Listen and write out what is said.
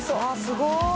すごい。